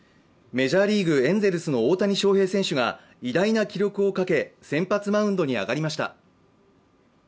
メジャーリーグ、エンゼルスの大谷翔平選手が偉大な記録をかけ、先発マウンドに上がりました。